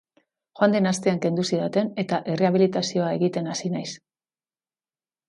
Joan den astean kendu zidaten eta errehabilitazioa egiten hasi naiz.